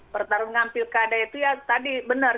pertarungan pilkada itu ya tadi benar